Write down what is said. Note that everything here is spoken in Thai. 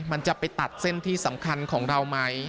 มันจะไปตัดเส้นที่สำคัญของเราไหม